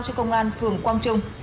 cho công an phường quang trung